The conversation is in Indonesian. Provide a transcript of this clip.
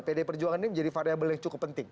pdi perjuangan ini menjadi variable yang cukup penting